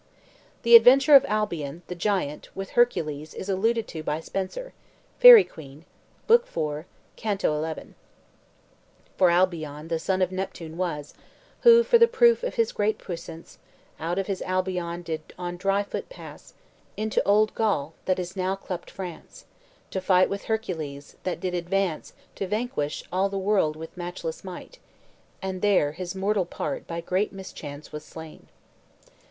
The adventure of Albion, the giant, with Hercules is alluded to by Spenser, "Faery Queene," Book IV., Canto xi: "For Albion the son of Neptune was; Who for the proof of his great puissance, Out of his Albion did on dry foot pass Into old Gaul that now is cleped France, To fight with Hercules, that did advance To vanquish all the world with matchless might: And there his mortal part by great mischance Was slain."